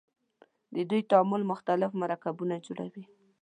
د دوی تعامل مختلف مرکبونه جوړوي.